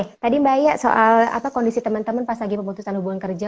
oke tadi mbak ya soal apa kondisi temen temen pas lagi pemutusan hubungan kerja